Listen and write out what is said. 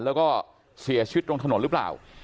แล้วก็เสียชีวิตตรงถนนหรือเปล่า